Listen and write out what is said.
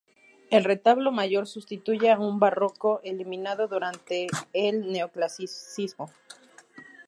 El retablo mayor sustituye a uno barroco, eliminado durante el Neoclasicismo.